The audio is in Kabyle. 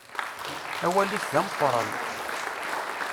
Awal-ik d ameqqran.